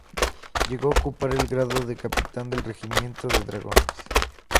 Llegó a ocupar el grado de Capitán del Regimiento de Dragones.